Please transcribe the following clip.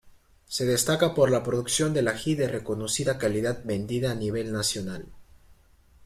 Se destaca por la producción del ají de reconocida calidad vendida a nivel nacional.